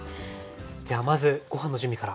ではまずご飯の準備から。